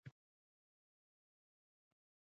دښته له ځانه سره سکون لري.